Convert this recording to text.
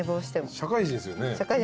社会人ですよね？